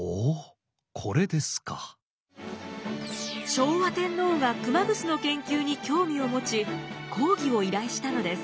昭和天皇が熊楠の研究に興味を持ち講義を依頼したのです。